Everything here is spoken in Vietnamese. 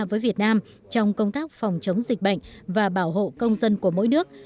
với việt nam trong công tác phòng chống dịch bệnh và bảo hộ công dân của mỗi nước